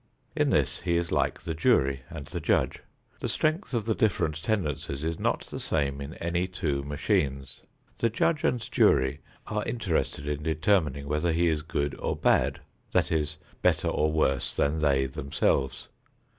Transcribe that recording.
In this he is like the jury and the judge. The strength of the different tendencies is not the same in any two machines. The judge and jury are interested in determining whether he is good or bad; that is, better or worse than they themselves.